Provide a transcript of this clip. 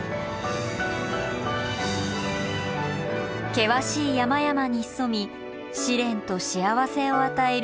険しい山々に潜み試練と幸せを与える国東の鬼。